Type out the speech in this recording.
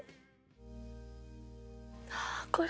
あっこれ。